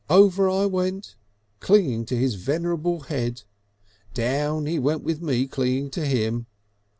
Over I went clinging to his venerable head. Down he went with me clinging to him.